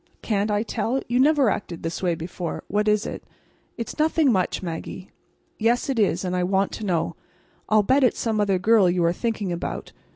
Can't I tell? You never acted this way before. What is it?" "It's nothing much, Maggie." "Yes it is; and I want to know. I'll bet it's some other girl you are thinking about.